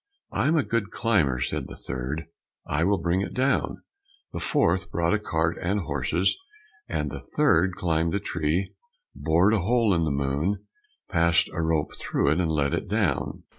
"I'm a good climber," said the third, "I will bring it down." The fourth brought a cart and horses, and the third climbed the tree, bored a hole in the moon, passed a rope through it, and let it down.